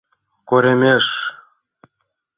Коремеш.